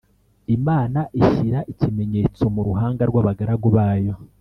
Imana ishyira ikimenyetso mu ruhanga rw’abagaragu bayo